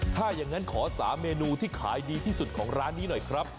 ถ้าอย่างนั้นขอ๓เมนูที่ขายดีที่สุดของร้านนี้หน่อยครับ